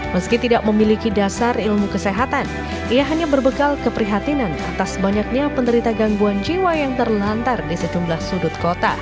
meski tidak memiliki dasar ilmu kesehatan ia hanya berbekal keprihatinan atas banyaknya penderita gangguan jiwa yang terlantar di sejumlah sudut kota